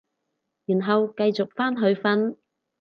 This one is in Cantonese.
然後繼續返去瞓